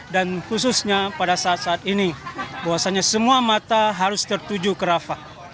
dan khususnya pada saat saat ini bahwasannya semua mata harus tertuju ke rafah